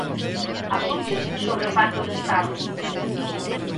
Apuntes sobre o pacto de Estado.